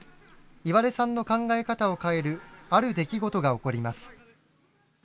岩出さんの考え方を変えるある出来事が起こります。